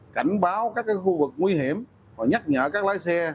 cảnh báo các khu vực nguy hiểm và nhắc nhở các lái xe